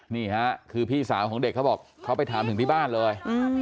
นี่ค่ะคือพี่สาวของเด็กเขาบอกเขาไปถามถึงที่บ้านเลย